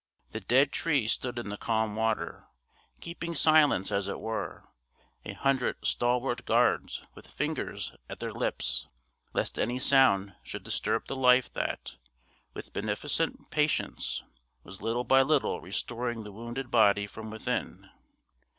The dead trees stood in the calm water, keeping silence as it were, a hundred stalwart guards with fingers at their lips, lest any sound should disturb the life that, with beneficent patience, was little by little restoring the wounded body from within.